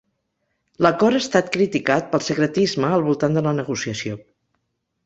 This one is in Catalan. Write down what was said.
L'acord ha estat criticat pel secretisme al voltant de la negociació.